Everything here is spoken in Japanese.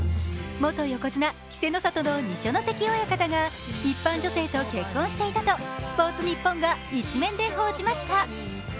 元横綱・稀勢の里の二所ノ関親方が一般女性と結婚していたとスポーツニッポンが１面で報じました。